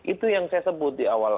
itu yang saya sebut di awal